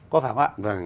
có phải không ạ